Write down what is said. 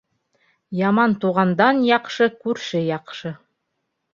Яман туғандан яҡшы күрше яҡшы.